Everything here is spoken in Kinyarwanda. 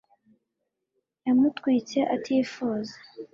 yamutwitse atifuza